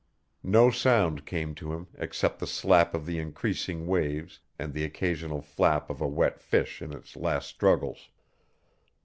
No sound came to him except the slap of the increasing waves and the occasional flap of a wet fish in its last struggles.